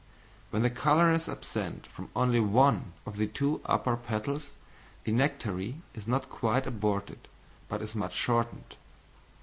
When the colour is absent from only one of the two upper petals, the nectary is not quite aborted but is much shortened.